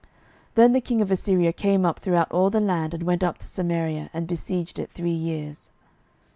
12:017:005 Then the king of Assyria came up throughout all the land, and went up to Samaria, and besieged it three years.